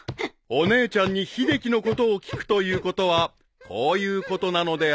［お姉ちゃんに秀樹のことを聞くということはこういうことなのである］